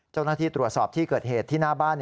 เจ้าหน้าที่ตรวจสอบที่เกิดเหตุที่หน้าบ้าน